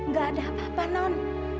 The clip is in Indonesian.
gak ada apa apa non